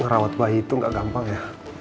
ngerawat bayi itu gak gampang ya